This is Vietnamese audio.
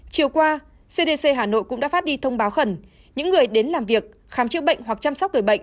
chiều qua cdc hà nội cũng đã phát đi thông báo khẩn những người đến làm việc khám chữa bệnh hoặc chăm sóc người bệnh